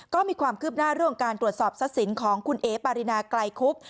ก็มีความคืบหน้าเรื่องการตรวจสอบทรัพย์สินของคุณเอ๋ปารินาไกลคุบ